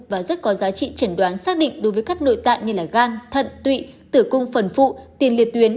và rất có giá trị trần đoán xác định đối với các nội tạng như gan thận tụy tử cung phần phụ tiền liệt tuyến